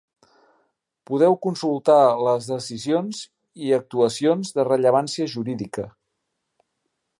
Podeu consultar les decisions i actuacions de rellevància jurídica.